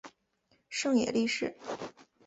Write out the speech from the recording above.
胜野莉世。